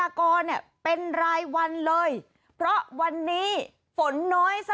ค่ะคือเมื่อวานี้ค่ะ